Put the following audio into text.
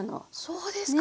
そうですか。